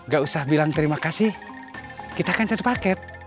gak usah bilang terima kasih kita kan cari paket